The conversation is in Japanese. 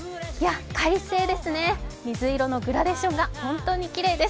快晴ですね、水色のグラデーションが本当にきれいです。